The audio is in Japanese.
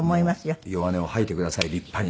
弱音を吐いてください立派に。